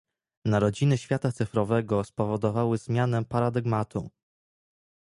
Narodziny świata cyfrowego spowodowały zmianę paradygmatu